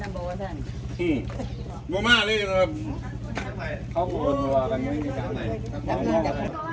อันดับสุดท้ายก็คืออันดับสุดท้าย